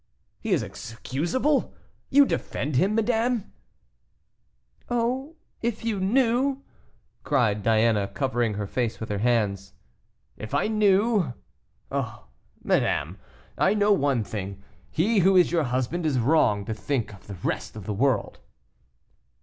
"He is excusable! you defend him, madame?" "Oh! if you knew!" cried Diana, covering her face with her hands. "If I knew! Oh! madame, I know one thing; he who is your husband is wrong to think of the rest of the world."